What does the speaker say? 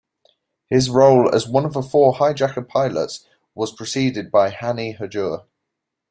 His role as one of the four hijacker-pilots was preceded by Hani Hanjour.